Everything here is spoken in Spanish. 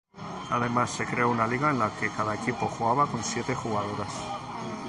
Además se creo una liga en la que cada equipo jugaba con siete jugadoras.